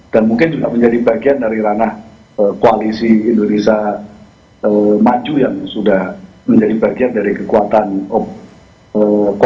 dan mungkin juga menjadi bagian dari ranah koalisi indonesia maju yang sudah menjadi bagian dari kekuatan koalisinya pak prabowo